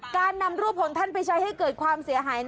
การนำรูปของท่านไปใช้ให้เกิดความเสียหาย